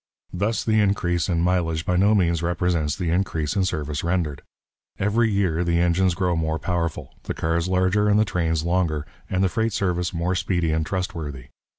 Thus the increase in mileage by no means represents the increase in service rendered: every year the engines grow more powerful, the cars larger and the trains longer, and the freight service more speedy and trustworthy.